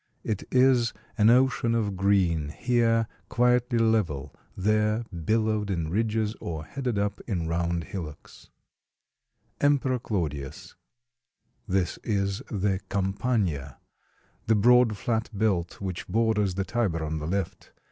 It is an ocean of green, here quietly level, there billowed in ridges or headed up in round hillocks. [Illustration: EMPEROR CLAUDIUS] This is the Campagna, the broad flat belt which borders the Tiber on the left.